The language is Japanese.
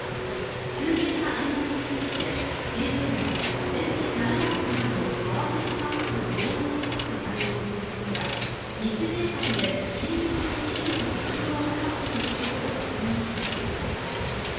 急激な円安についてＧ７・先進７か国などの為替に関する合意に沿って対応することや日米間で緊密に意思の疎通を図っていくことを確認したということです。